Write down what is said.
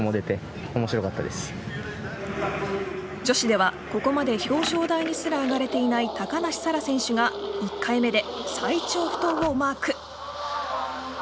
女子ではここまで表彰台にすら上がれていない高梨沙羅選手が１回目で最長不倒をマーク。